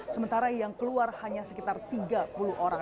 sementara yang keluar hanya sekitar tiga puluh orang